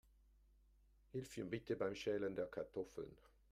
Hilf mir bitte beim Schälen der Kartoffeln.